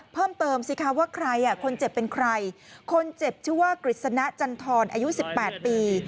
เพิ่มเติมสิคะว่าคนเจ็บเป็นใครคนเจ็บชื่อว่ากฤษณะจันทรอายุ๑๘ปี